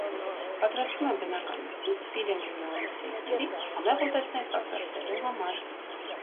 Պատրաստվում է բնական մսից՝ «ֆիլե մինիոնի» սթեյքներից համեղ ուտեստներ պատրաստելու համար։